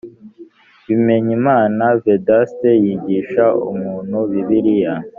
bimenyimana vedaste yigisha umuntu bibiliya